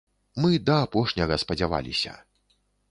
Мы да апошняга спадзяваліся.